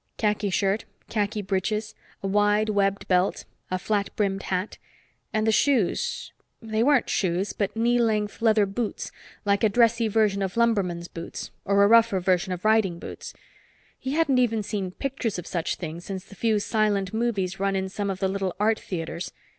Khaki shirt, khaki breeches, a wide, webbed belt, a flat brimmed hat. And the shoes they weren't shoes, but knee length leather boots, like a dressy version of lumberman's boots or a rougher version of riding boots. He hadn't seen even pictures of such things since the few silent movies run in some of the little art theaters.